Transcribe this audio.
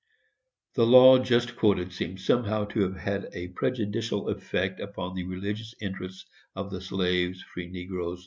The law just quoted seems somehow to have had a prejudicial effect upon the religious interests of the "slaves, free negroes," &c.